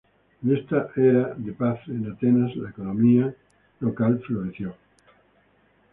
En esta era de paz en Atenas la economía local floreció.